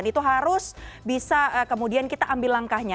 itu harus bisa kemudian kita ambil langkahnya